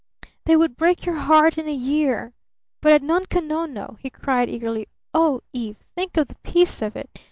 They would break your heart in a year! But at Nunko Nono!" he cried eagerly. "Oh, Eve! Think of the peace of it!